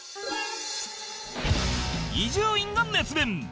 伊集院が熱弁！